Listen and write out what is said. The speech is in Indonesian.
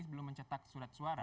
sebelum mencetak surat suara